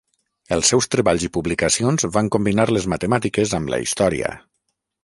Els seus treballs i publicacions van combinar les matemàtiques amb la història.